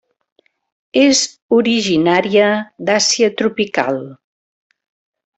És originària d'Àsia tropical.